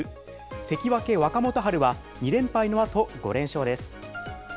関脇・若元春は、２連敗のあと、５連勝です。